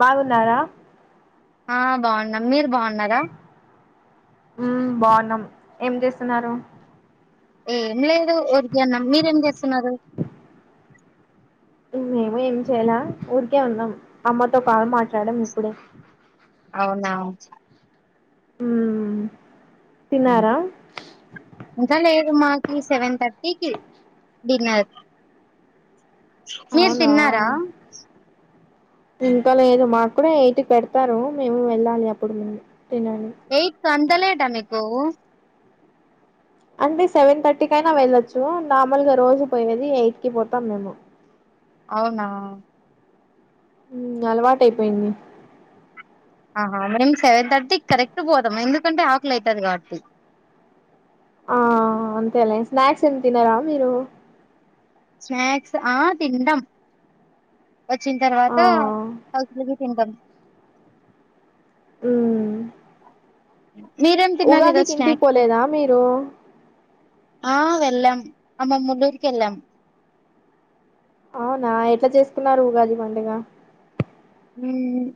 బాగున్నారా? ఆ బాగున్నాం, మీరు బాగున్నారా? ఉమ్ బాగున్నాం, ఏం చేస్తున్నారు? ఏం లేదు, ఉరికే ఉన్నాం. మీరేం చేస్తున్నారు? మేము ఏం చేయాల, ఊరికే ఉన్నాం. అమ్మతో కాల్ మాట్లాడాం ఇప్పుడే. అవునా! ఉమ్ ఇంకాలేదు, మాక్ కి సెవెన్ థర్టీకి డిన్నర్. మీరు అవునా తిన్నారా? ఇంకా లేదు, మాక్కూడ ఎయిట్ కి పెడతారు. మేము వెళ్ళాలి అప్పుడు మేము. తినాలి ఎయిట్ కంత లేటా మీకు? కూ అంతే సెవెన్ థర్టీ కైన వెళ్లవచ్చు మామూల్గా రోజు పోయేది ఎయిట్ కి పోతాం మేము అవునా అలవాటయిపోయింది ఆహా మేము సెవెన్ థర్టీ కరెక్ట్ పోతాం ఎందుకంటే ఆకులి అవుతది కాబట్టి ఆ అంతేలే స్నాక్స్ ఎంత తినారా మీరు స్నాక్స్ ఆ తింటాం వచ్చిన తర్వాత ఆ హౌస్ లోకి తింటాం అవు మీరేం తిన్నారు ఉగాది ఈరోజు కింటికి స్నాక్స్ పోలేదా మీరు ఆ వెళ్లం అమ్మ ములూరికి వెళ్ళం అవునా ఎట్లా చేసుకున్నారు గాది పండుగ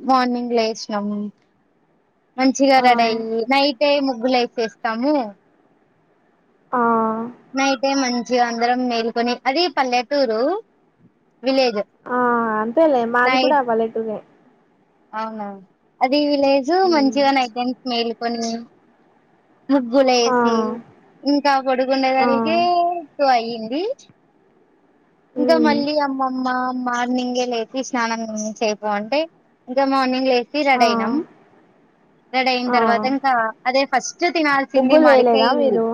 మార్నింగ్ లో వేసినాము మంచిగా ఆ రెడయి నైట్ ము డబ్బులైసేస్తాము ఆ నైతే మ జీ అందరం మేల్కొని అది పల్లెటూరు విలేజ్ ఆ అంతేలే మాది కూడా నైట్ పలకులుగాే అవునా అది విలేజ్ మంచి ఉమ్, జీవన్ యితే అంత మేలి పనీ ముగ్గులు ఆ వేసి ఇంకా ఆ పండుకునేసరికి ట్వ అయింది అ ఇకా ఉమ్, మళ్ళీ అమ్మమ్మ మార్నింగే లేసి స్నానం చేయిపో అంటే ఇంకా మార్నింగ్ లే రెడీ ఆ అయినం రెడీ అయిన ఆ తర్వాత ఇంకా అదే ఫస్ట్ తినాల్సింది ముగ్గులు వేయలేదా మడికాయఐ మీరు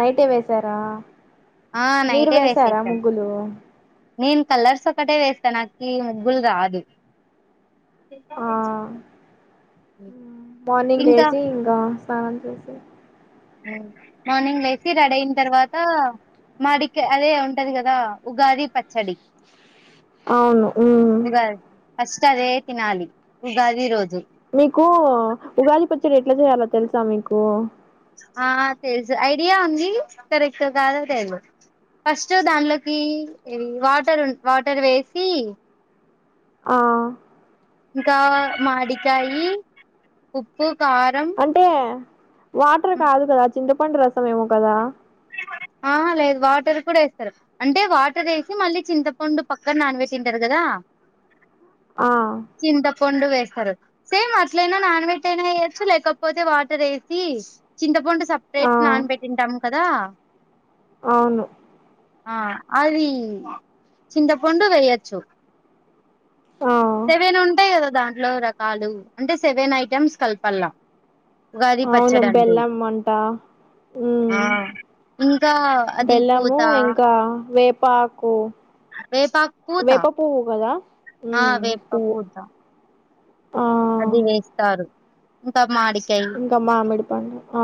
నైటే వేసారా నైతే వేస గులు నేను కలర్స్ ఒకటే వేస్తా నాకి ముగ్గులు రాదు ఎంతా ఆ వచ్చ మార్నింగ్ లేసి ఇంకా సంసారంం చేసి మార్నింగ్ వేసి రెడ అయిన తర్వాత మాడికి అదే ఉంటది కదా ఉగాది పచ్చడి అవును ఉ ఉగాది ఫస్ట్ అదే తినాలి ఉగాది ఇరోదు మీకు ఉగాది పచ్చ రేట్ ఎట్లా చేయలో తెలుసా మీకు ఆ తెలుసు ఐడియా ఉంది కరెక్ట్ కాదా తెల్దు ఫస్ట్ దాంలోకి ఇవి వాటర్ వాటర్ వేసి ఆ ఇంకా మాడికాయ ఉప్పు కారం అంటే వాటర్ కాదు కద చింతపండు రసం ఏమో కదా ఆ లేదు వాటర్ కూడా వేస్తారు అంటే వాటర్ వేసి మళ్ళీ చింతపండు పక్కనా ననవేసింతారు కదా ఆ పండు వేస్తారు సేమ్ అట్లయినా నానబెట్టి అయినా వేయొచ్చు లేకపోతే వాటర్ వేసి చింతపండు ఆ సపరేట్ నాన్ పెట్టింటాం కదా అవును ఆ అది చింతపండు వెయొచ్చు ఆ సవేనా ఉంటాయి కదా ధాం ట్లో రకాలు అంటే సెవెన్ ఐటెమ్స్ కలపల్లా ఉగాది అవును పచ్చడి అంటే బెల్లం అంట ఆ ఇంకా అది బెల్లము పూత ఇంకా వేపు పాకు వేపాకు పూత వెప పూవు కదా ఉ ఆ వేప పువ్వు పూత ఆ అది వేస్తారు ఇంకా మాడికాయ ఇంకా మామిడిపండు ఆ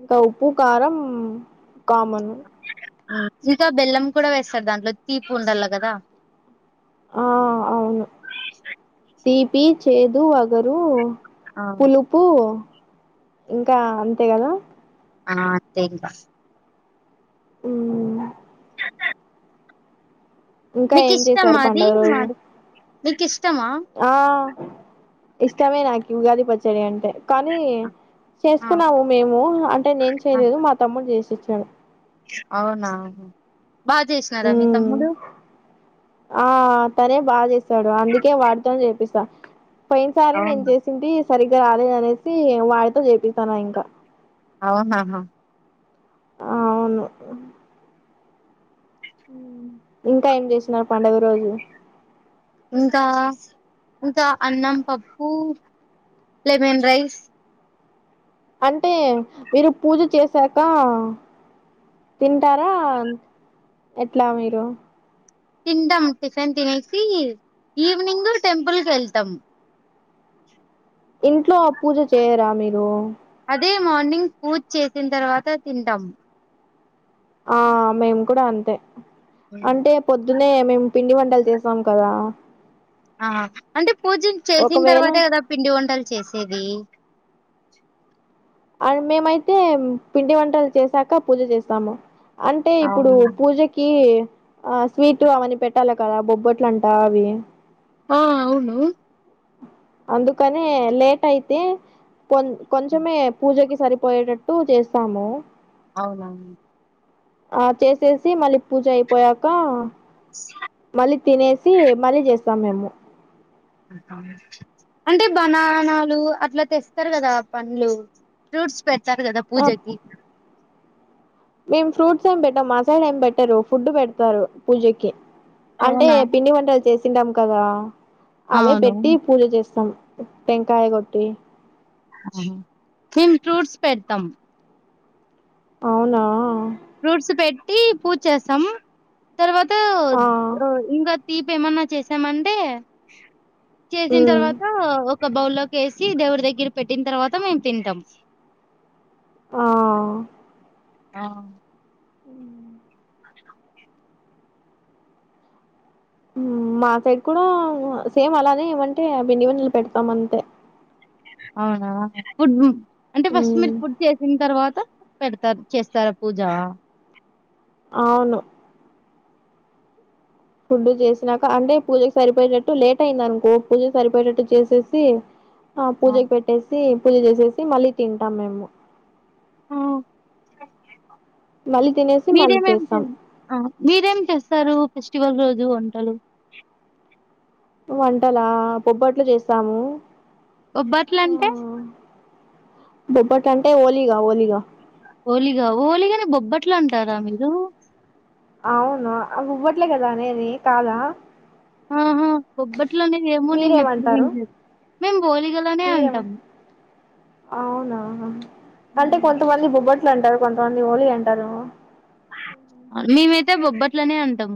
ఇంకా ఉప్పు కారం కామన్ ఇక బెల్లం కూడా వేస్తారు దాంట్లో తీపు ఉండాల కదా ఆ అవును తీ పి చేదు వగరు ఆ పులుపు ఇంకా అంతే కదా ఆ అంతే ఇగ ఉ ఇంకా ఏం చేశారు పండుగ రోజు నికిష్ ఆ ఇష్టమే నాకి ఉగాది పచ్చడి అంటే కానీ ఆ చేసుకున్నాము మేము అంటే నేను చేయలేదు మా తమ్ముడు చేసిచ్చ చె [unintelligible] అవునావు బాగా చేసినారా మీ మ్మ్ తమ్ముడు ఆ తనే బా చేస్త స్తాడు అందుకే వాడుతొని చెపస్త పిస్తా పోయినసారి నేను అవునా చేసింది సరిగ్గా రాలేదనేసి వాడితో చేపిస్తాన ఇంకా అఓహాహా [unintelligible] అవును ఇంకా ఏం చేసినారు పండుగ రోజు ఇంకా ఇంకా అన్నం పప్పు లెమన్ రైస్ అంటే మీరు పూజ చేసాక తింటారా ఎట్లా మీరు తింటాం టిఫిన్ తినేసి ఈవినింగ్ టెంపుల్ కె ళ్తాం ఇంట్లో పూజ చేయరా మీరూ అదే మార్నింగ్ పూజ చేసిన తర్వాత తింటాం ఆ మేము కూడా అంతే అంటే పొద్దునే మేము పిండి వంట లు చేసాం కదా ఆ అంటే పూజ చేసిన ఒకవేళ తర్వాతే కదా పిండి వంటలు చేసేది అ మేమైతే పిండి వంటలు చేసాక పూజ చేస్తాము అంటే ఇప్పుడు అవునా పూజకి ఆ స్వీట్ అవన్న పెట్టాలి కదా బొబ్బొట్లు అంట అవి ఆ అవును అందుకనే లేట్ అయితే కొం కొంచమే పూజకి సరిపోయేటట్టు చేస్తాము అవునవు ఆ చేసేసి మళ్ళీ పూజ అయిపోయాక అవునా మళ్ళీ తినేసి మళ్ళీ చేస్త సమయము అంటే బనానాలు అట్లా తెస్తారు కదా పండ్లు ఫ్రూట్స్ తెస్తరు కదా పూజకి మేం ఫ్రూట్స్ ఏం పెట్టాం మసైడ్ఏం పెట్టరు ఫుడ్ పెడతారు పూజకి అంటే అవునా? పిండి వంటలు చేసి తింటాముకాదా అవే అవును పెట్టి పూజ చేస్తాం పెంకాయ కొట్టి మేము ఫ్రూట్స్ పెడతాం అవునా ఫ్రూట్స్ పెట్టి పూజ చేస్తాం తర్వాత ఆ ఇంకా తీపి ఏమన్నా చేసామంటె చేసిన ఉమ్ తర్వాత ఒక ఒక బౌ లోకి వేసి దేవుడి దగ్గర పెట్టిన తర్వాత మేము తింటాం ఆ ఆ హమ్ మా సైడ్ కూడా సేమ్ అలానే ఏమంటే అ వెండివన్నలు పెడతాము అంతే అవునా ఎప్పుడు అంటే ఫస్ట్ ఉమ్ మీరు ఫుడ్ చేసిన తర్వాత పెడతారు చేస్తారా పూజ అవును ఫుడ్ చేసాక అంటే పూజకు సరిపోయేటట్టు లేట్ అయింది అనుకో పూజకు సరిపోయేటట్టు చేసేసి ఆ పూజకి పెట్టేసి పూజ చేసేసి మళ్ళీ తింటాం మేము ఆ. మళ్ళీ తినేసి మళ్ళీ మీరేమేం చే చేస్తాం ఆ మీరేం చేస్తారు ఫెస్టివల్ రోజు వంటలు వంటలా బోబ్బట్లు చేస్తాము బొబ్బట్లు అంటే బొబ్బట అంటే ఓలీగ్ ఓలీగ్ ఓలీగ ఓలీగనీ బొబ్బట్లు అంటారా మీరు అవును బొబట్లే కదా అనేది కాదా హమ్ హా బొబ్బట్లామనేది ఏమో నేను ఎప్పుడు మీరేమంటారు వినాలేదు మేము బోలిగలనే మీరేమ అంటాము అవునా అంటే కొంతమంది బొబ్బట్లు అంటారు కొంత మంది ఓలి అంటారు మేమైతే బొబ్బట్లనే అంటాం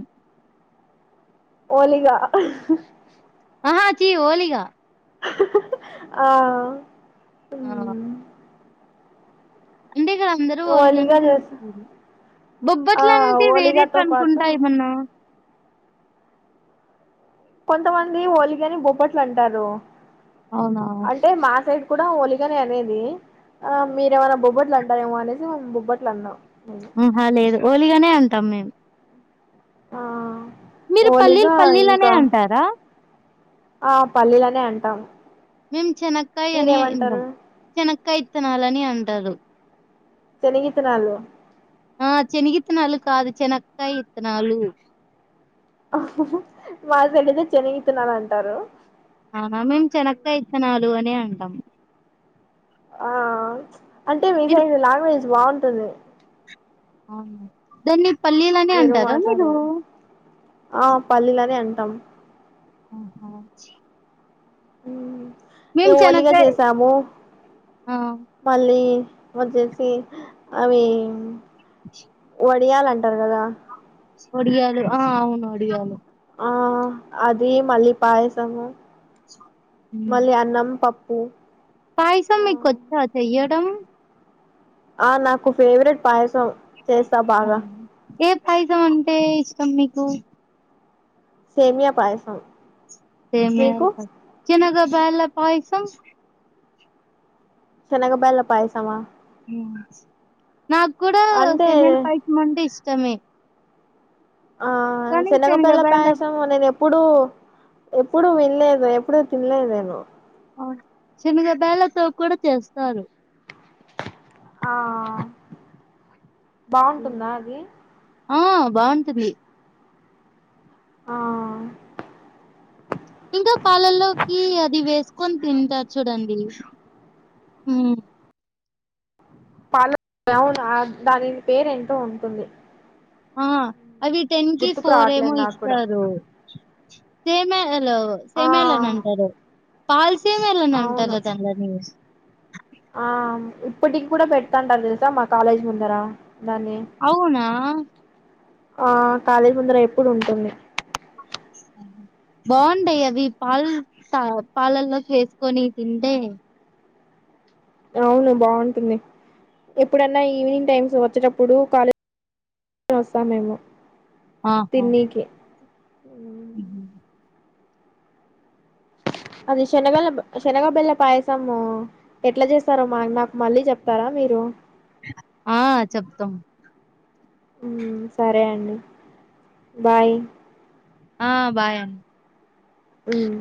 ఓలిగా ఆహా చి ఓలిగా ఆ ఆ హ్మ్. అంటే ఇక్కడ అందరు ఓలి గనే ఓలిగా చేస్త పిలుస్తారూ ఆ బొబ్బట్లు అంటే ఓలిగాతో వేరేటవి పాటు అనుకుంటా ఏమన్నా కొంతమంది ఓలిగా అని బొప్పట్లు అంటారు అవునా అంటే మా సైడ్ కూడా ఒలిగనే అనేది ఆ మీరేమైన్నా బొబ్బట్లు అంటారేమో అనేసి మేము బొబ్బట్లు అన్నాం ఆ హా లేదు ఓలిగనే అంటాం తమ మేం ఆ మీరు పల్లీలు ఓలిగా పల్లీలనే ఇంకా అంటారా ఆ పల్లీలనే అంటాం మేం శనకాయ అని అంటాం కియా విత్తనాలు అని అంటారు చెననికితేనాాలు ఆ చినగి ఇత్తనాళ కాదు చెనక్కాయ ఇత్తనాళ మా తలిద చెనగితున్నాాల అంటారు అనా మేము చెనగగా ఇస్తనాలు అనే అంటాము ఆ అంటే మీ మీరు సైజ్ లాంగ్వేజ్ బాగుంటుంది సదే అవు ధన్యవా పల్లీలనే మీరు అంటారా మీరు మాట్లాడేది ఆ పల్లీలానే అంటాం ఆహ హ మేము హోలిగా చెనక్కాయ చేసాము ఆ మళ్ళీ మ చేసి అవి వడియాల అంటారు కదా ఒడిగాలు ఆ అవును ఒడిగాలు ఆ అది మళ్ళీ పాయసము మళ్ళీ అన్నం పప్పు ఓ పైసమీకుచ్చా య కుం ఆ నాకు ఫేవరెట్ పాయసం చేసా బాగా కాయిసామంటే ఇష్టం మీకు సేమయా పయసం సే మ చనగా వెళ పయిసం చినగా బయళ పయసమా అ నాకు కూడా అంటే సమైన పైకి మండి సమే ఆ చిన్నగప్పల్ల శనగబేల పయసం ఉన్న ఎప్పుడు ఎప్పుడు వినలేదు ఎప్పుడు తినలేదు నేను చిన్నగ బేళతో కూడా చేస్తారు ఆ బాగుంటుందా అది ఆ బావుంటది ఆ ఇంకా పాలల్లోకి అది వేసుకొని తింటారు చూడండి ఉమ్ పాలో గౌన్ ఆ దానిని పేరు ఎంటో ఉంటుంది ఆ అవి టెన్ కి గుర్తుకు ఫోర్ ఏమో రావట్లేదు నాకు కూడా ఇస్తారు సేమలు ఆ సేమ్యల్ అని అంటారు పల్స్ సేమ్యాలు అని అవును అంటారు దాని కసన్నవు ఆ ఇప్పటికి కూడా పెడతంటారు తెలుసా మా కాలేజ్ ముందర దాన్ని అవునా ఆ కాలేజీ ముందర ఎప్పుడు ఉంటుంది బాగుంటయి అవి పాలు పాలల్లో వేసుకొని తింటే అవును బాగుంటుంది ఎప్పుడన్నా ఈవినింగ్ టైమ్స్ వచ్చేటప్పుడు కాలేజీ వస్తాం మేము ఆహా తిన్నీకి అది శనగల శనగ బెల్ల పాయసము ఎట్లా చేస్తారో మా నాకు మళ్ళీ చెప్తారా మీరు ఆ చెప్తాం ఉమ్ సరే అండి బాయ్ ఆ బాయ్ అండి అమ్